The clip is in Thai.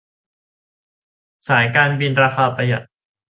สายการบินราคาประหยัด